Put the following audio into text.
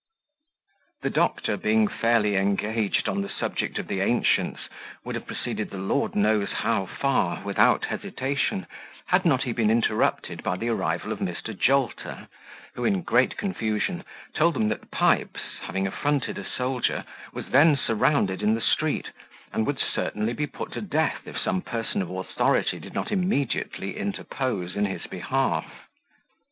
The doctor being fairly engaged on the subject of the ancients, would have proceeded the Lord knows how far, without hesitation, had not he been interrupted by the arrival of Mr. Jolter, who, in great confusion, told them that Pipes, having affronted a soldier, was then surrounded in the street, and certainly would be put to death if some person of authority did not immediately interpose in his behalf.